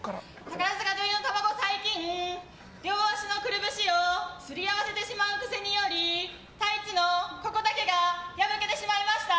最近両足のくるぶしをすり合わせてしまう癖によりタイツのここだけが破けてしまいました